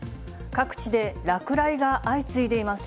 各地で落雷が相次いでいます。